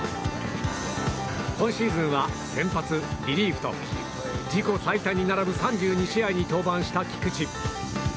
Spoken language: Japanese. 今シーズンは先発、リリーフと自己最多に並ぶ３２試合に登板した菊池。